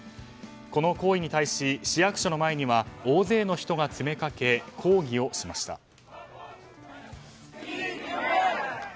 この行為に対し市役所の前には大勢の人が詰めかけ抗議をしました。